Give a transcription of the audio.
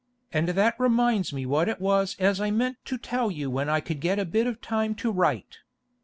And that reminds me what it was as I ment to tell you when I cold get a bit of time to rite.